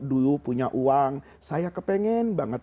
dulu punya uang saya kepengen banget